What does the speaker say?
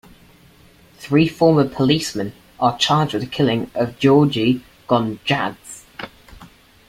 Three former policemen are charged with the killing of Georgiy Gongadze.